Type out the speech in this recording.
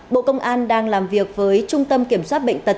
bộ công an đang làm việc với trung tâm kiểm soát bệnh tật